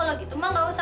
orang itunes asal